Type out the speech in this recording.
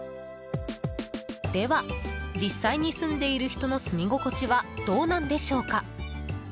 では実際に住んでいる人の住み心地はどうなんでしょうか？